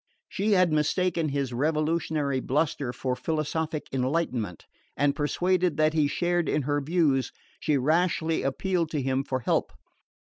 She had mistaken his revolutionary bluster for philosophic enlightenment; and, persuaded that he shared in her views, she rashly appealed to him for help.